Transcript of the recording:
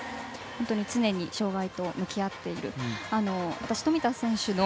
常に障がいと向き合っている。